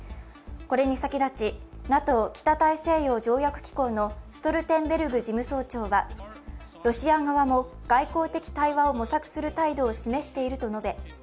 これに先立ち、ＮＡＴＯ＝北大西洋条約機構のストルテンベルグ事務総長はロシア側も外交的対話を模索する態度を示していると述べ